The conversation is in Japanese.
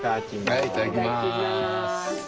はいいただきます。